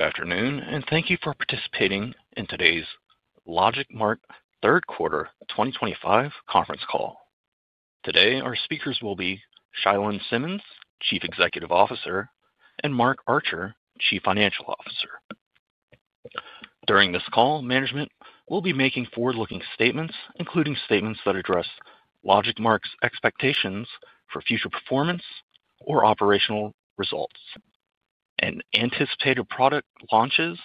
Good afternoon, and thank you for participating in today's LogicMark Third Quarter 2025 conference call. Today, our speakers will be Chia-Lin Simmons, Chief Executive Officer, and Mark Archer, Chief Financial Officer. During this call, management will be making forward-looking statements, including statements that address LogicMark's expectations for future performance or operational results. Anticipated product launches,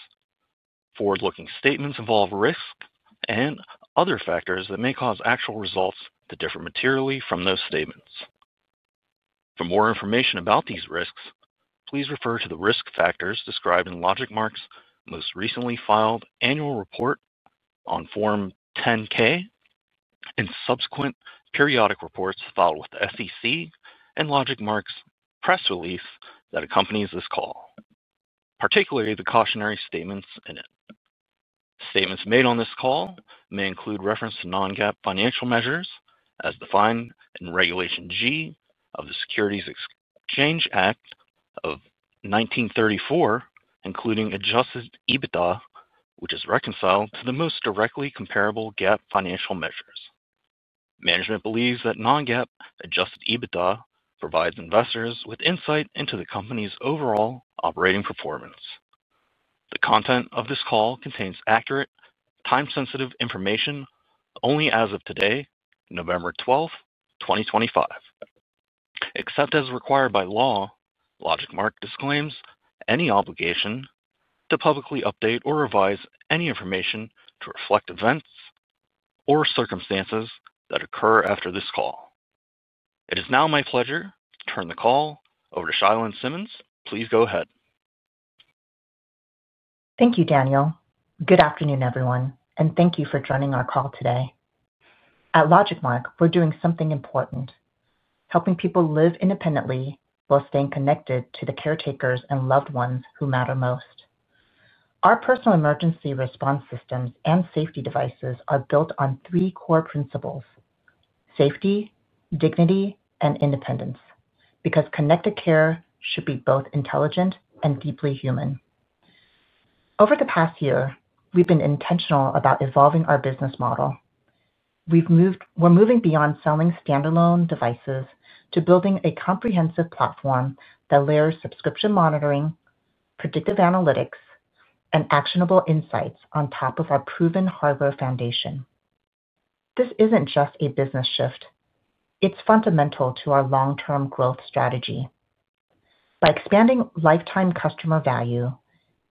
forward-looking statements involve risk and other factors that may cause actual results to differ materially from those statements. For more information about these risks, please refer to the risk factors described in LogicMark's most recently filed annual report on Form 10-K and subsequent periodic reports filed with the SEC and LogicMark's press release that accompanies this call, particularly the cautionary statements in it. Statements made on this call may include reference to non-GAAP financial measures as defined in Regulation G of the Securities Exchange Act of 1934, including adjusted EBITDA, which is reconciled to the most directly comparable GAAP financial measures. Management believes that non-GAAP adjusted EBITDA provides investors with insight into the company's overall operating performance. The content of this call contains accurate, time-sensitive information only as of today, November 12th, 2025. Except as required by law, LogicMark disclaims any obligation to publicly update or revise any information to reflect events or circumstances that occur after this call. It is now my pleasure to turn the call over to Chia-Lin Simmons. Please go ahead. Thank you, Daniel. Good afternoon, everyone, and thank you for joining our call today. At LogicMark, we're doing something important: helping people live independently while staying connected to the caretakers and loved ones who matter most. Our personal emergency response systems and safety devices are built on three core principles: safety, dignity, and independence, because connected care should be both intelligent and deeply human. Over the past year, we've been intentional about evolving our business model. We're moving beyond selling standalone devices to building a comprehensive platform that layers subscription monitoring, predictive analytics, and actionable insights on top of our proven hardware foundation. This isn't just a business shift. It's fundamental to our long-term growth strategy. By expanding lifetime customer value,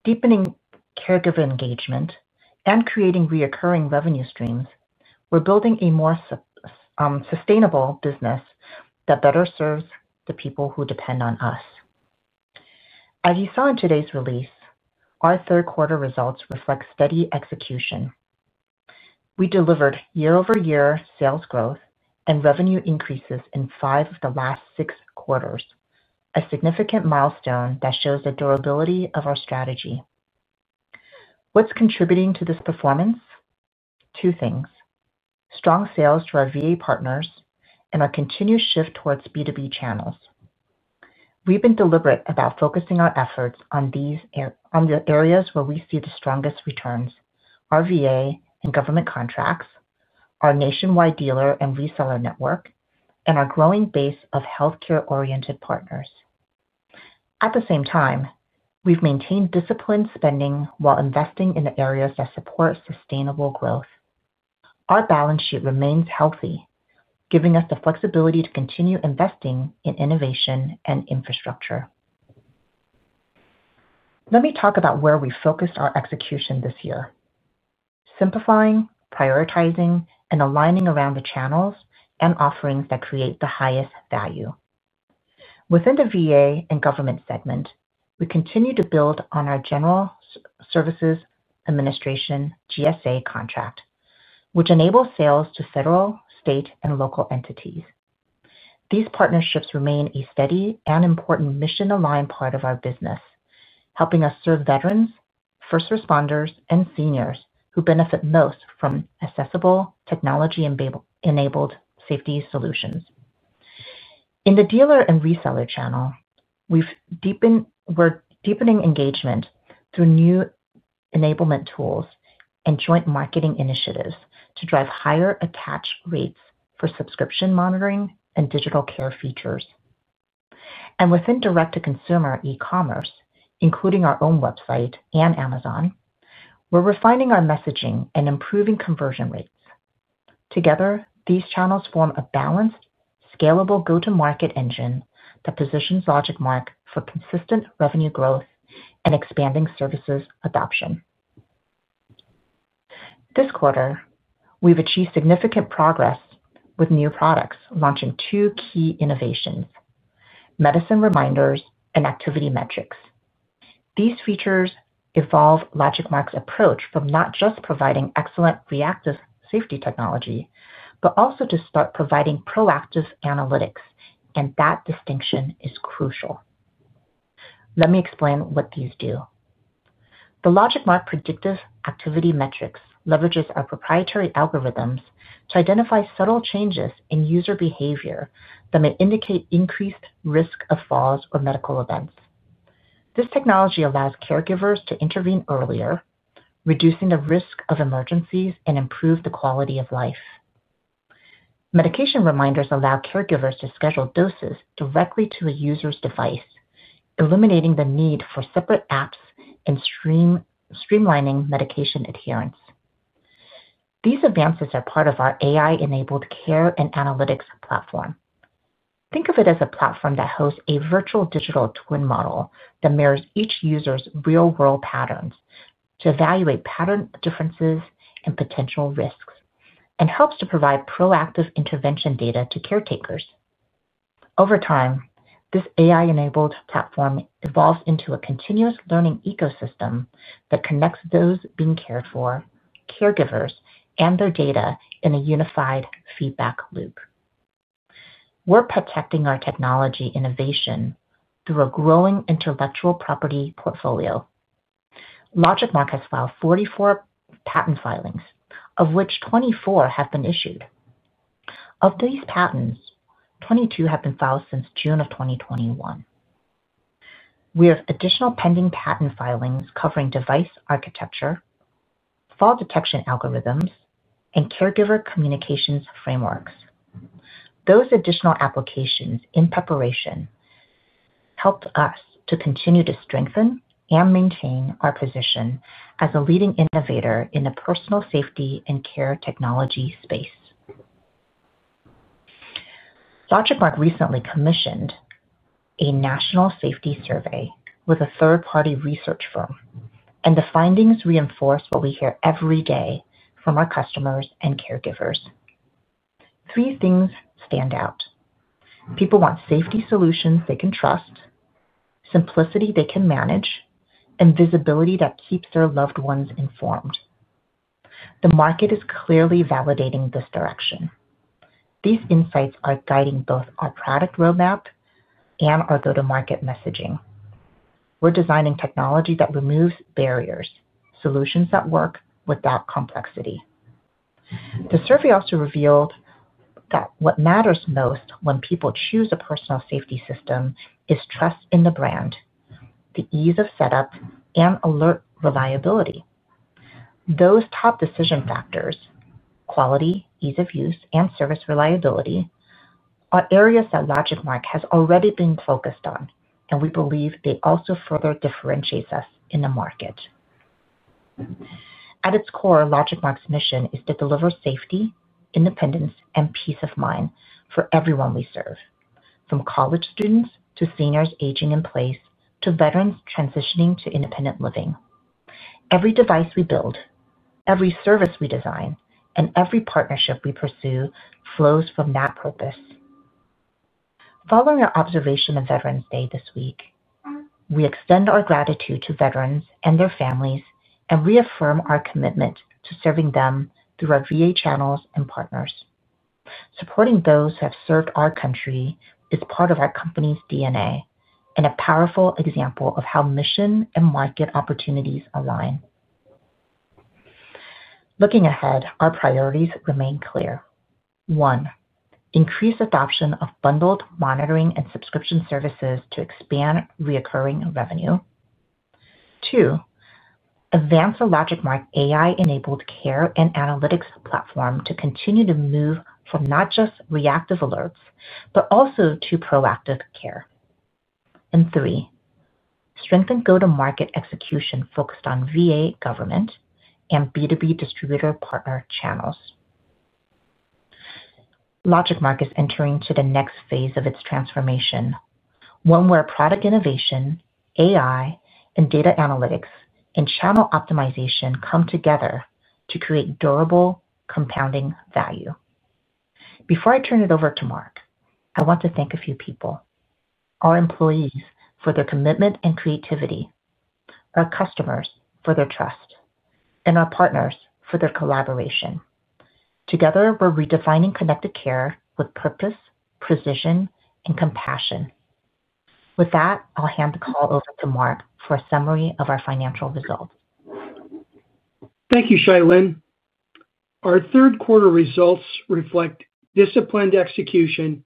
deepening caregiver engagement, and creating reoccurring revenue streams, we're building a more sustainable business that better serves the people who depend on us. As you saw in today's release, our third-quarter results reflect steady execution. We delivered year-over-year sales growth and revenue increases in five of the last six quarters, a significant milestone that shows the durability of our strategy. What's contributing to this performance? Two things: strong sales to our VA partners and our continuous shift towards B2B channels. We've been deliberate about focusing our efforts on the areas where we see the strongest returns: our VA and government contracts, our nationwide dealer and reseller network, and our growing base of healthcare-oriented partners. At the same time, we've maintained disciplined spending while investing in the areas that support sustainable growth. Our balance sheet remains healthy, giving us the flexibility to continue investing in innovation and infrastructure. Let me talk about where we focused our execution this year: simplifying, prioritizing, and aligning around the channels and offerings that create the highest value. Within the VA and government segment, we continue to build on our General Services Administration GSA contract, which enables sales to federal, state, and local entities. These partnerships remain a steady and important mission-aligned part of our business, helping us serve veterans, first responders, and seniors who benefit most from accessible technology-enabled safety solutions. In the dealer and reseller channel, we're deepening engagement through new enablement tools and joint marketing initiatives to drive higher attach rates for subscription monitoring and digital care features. Within direct-to-consumer e-commerce, including our own website and Amazon, we're refining our messaging and improving conversion rates. Together, these channels form a balanced, scalable go-to-market engine that positions LogicMark for consistent revenue growth and expanding services adoption. This quarter, we've achieved significant progress with new products launching two key innovations: medicine reminders and activity metrics. These features evolve LogicMark's approach from not just providing excellent reactive safety technology, but also to start providing proactive analytics, and that distinction is crucial. Let me explain what these do. The LogicMark predictive activity metrics leverage our proprietary algorithms to identify subtle changes in user behavior that may indicate increased risk of falls or medical events. This technology allows caregivers to intervene earlier, reducing the risk of emergencies and improving the quality of life. Medication reminders allow caregivers to schedule doses directly to a user's device, eliminating the need for separate apps and streamlining medication adherence. These advances are part of our AI-enabled care and analytics platform. Think of it as a platform that hosts a virtual digital twin model that mirrors each user's real-world patterns to evaluate pattern differences and potential risks, and helps to provide proactive intervention data to caretakers. Over time, this AI-enabled platform evolves into a continuous learning ecosystem that connects those being cared for, caregivers, and their data in a unified feedback loop. We're protecting our technology innovation through a growing intellectual property portfolio. LogicMark has filed 44 patent filings, of which 24 have been issued. Of these patents, 22 have been filed since June of 2021. We have additional pending patent filings covering device architecture, fall detection algorithms, and caregiver communications frameworks. Those additional applications in preparation helped us to continue to strengthen and maintain our position as a leading innovator in the personal safety and care technology space. LogicMark recently commissioned a national safety survey with a third-party research firm, and the findings reinforce what we hear every day from our customers and caregivers. Three things stand out: people want safety solutions they can trust, simplicity they can manage, and visibility that keeps their loved ones informed. The market is clearly validating this direction. These insights are guiding both our product roadmap and our go-to-market messaging. We're designing technology that removes barriers, solutions that work without complexity. The survey also revealed that what matters most when people choose a personal safety system is trust in the brand, the ease of setup, and alert reliability. Those top decision factors—quality, ease of use, and service reliability—are areas that LogicMark has already been focused on, and we believe they also further differentiate us in the market. At its core, LogicMark's mission is to deliver safety, independence, and peace of mind for everyone we serve, from college students to seniors aging in place to veterans transitioning to independent living. Every device we build, every service we design, and every partnership we pursue flows from that purpose. Following our observation of Veterans Day this week, we extend our gratitude to veterans and their families and reaffirm our commitment to serving them through our VA channels and partners. Supporting those who have served our country is part of our company's DNA and a powerful example of how mission and market opportunities align. Looking ahead, our priorities remain clear: one, increase adoption of bundled monitoring and subscription services to expand reoccurring revenue; two, advance the LogicMark AI-enabled care and analytics platform to continue to move from not just reactive alerts, but also to proactive care; and three, strengthen go-to-market execution focused on VA, government, and B2B distributor partner channels. LogicMark is entering the next phase of its transformation, one where product innovation, AI, and data analytics and channel optimization come together to create durable, compounding value. Before I turn it over to Mark, I want to thank a few people: our employees for their commitment and creativity, our customers for their trust, and our partners for their collaboration. Together, we're redefining connected care with purpose, precision, and compassion. With that, I'll hand the call over to Mark for a summary of our financial results. Thank you, Chia-Lin. Our third-quarter results reflect disciplined execution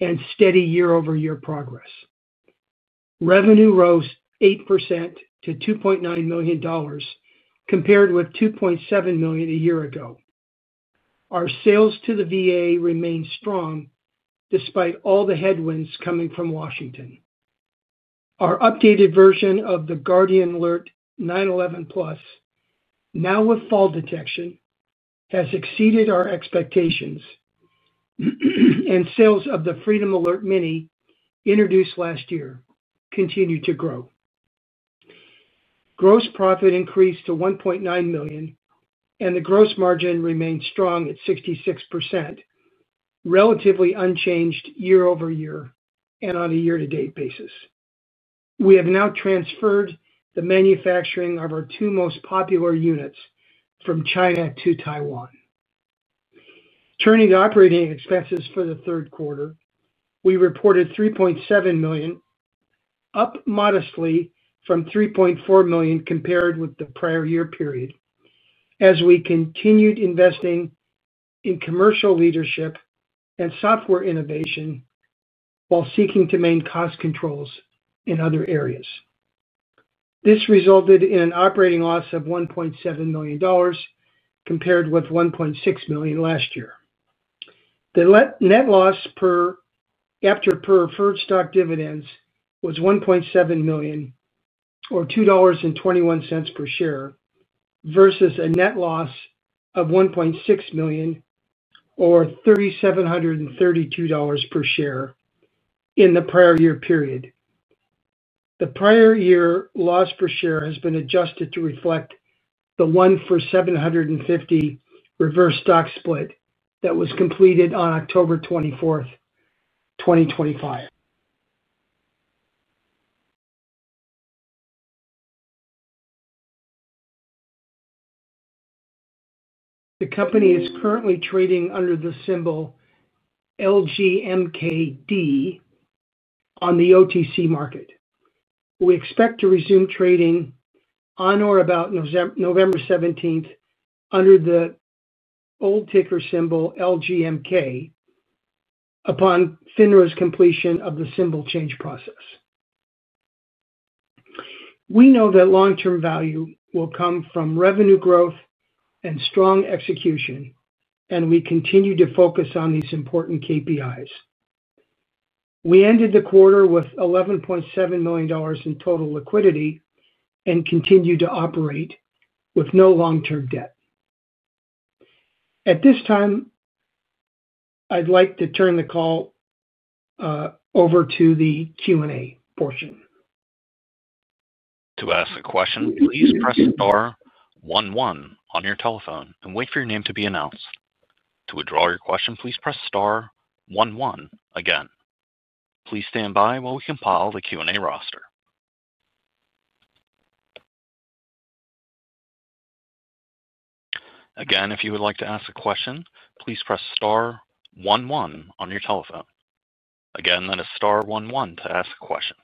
and steady year-over-year progress. Revenue rose 8% to $2.9 million compared with $2.7 million a year ago. Our sales to the VA remain strong despite all the headwinds coming from Washington. Our updated version of the Guardian Alert 911 Plus, now with fall detection, has exceeded our expectations, and sales of the Freedom Alert Mini introduced last year continue to grow. Gross profit increased to $1.9 million, and the gross margin remained strong at 66%, relatively unchanged year-over-year and on a year-to-date basis. We have now transferred the manufacturing of our two most popular units from China to Taiwan. Turning to operating expenses for the third quarter, we reported $3.7 million, up modestly from $3.4 million compared with the prior year period, as we continued investing in commercial leadership and software innovation while seeking to maintain cost controls in other areas. This resulted in an operating loss of $1.7 million compared with $1.6 million last year. The net loss after preferred stock dividends was $1.7 million, or $2.21 per share, versus a net loss of $1.6 million, or $3,732 per share in the prior year period. The prior year loss per share has been adjusted to reflect the 1-for-750 reverse stock split that was completed on October 24th, 2023. The company is currently trading under the symbol LGMKD on the OTC market. We expect to resume trading on or about November 17th under the old ticker symbol LGMK upon FINRA's completion of the symbol change process. We know that long-term value will come from revenue growth and strong execution, and we continue to focus on these important KPIs. We ended the quarter with $11.7 million in total liquidity and continue to operate with no long-term debt. At this time, I'd like to turn the call over to the Q&A portion. To ask a question, please press star one one on your telephone and wait for your name to be announced. To withdraw your question, please press star one one again. Please stand by while we compile the Q&A roster. Again, if you would like to ask a question, please press star one one on your telephone. Again, that is star one one to ask a question.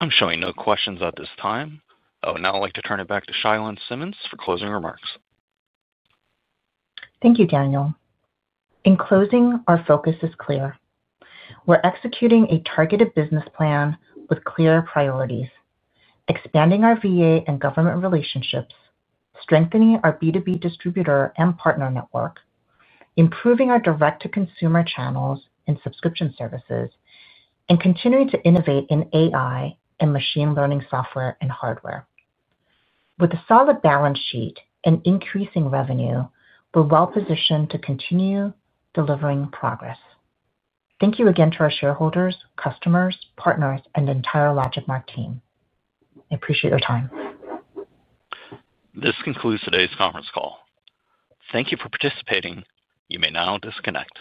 I'm showing no questions at this time. Oh, now I'd like to turn it back to Chia-Lin Simmons for closing remarks. Thank you, Daniel. In closing, our focus is clear. We're executing a targeted business plan with clear priorities, expanding our VA and government relationships, strengthening our B2B distributor and partner network, improving our direct-to-consumer channels and subscription services, and continuing to innovate in AI and machine learning software and hardware. With a solid balance sheet and increasing revenue, we're well-positioned to continue delivering progress. Thank you again to our shareholders, customers, partners, and the entire LogicMark team. I appreciate your time. This concludes today's conference call. Thank you for participating. You may now disconnect.